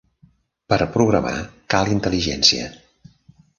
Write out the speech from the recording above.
Per programar cal intel·ligència.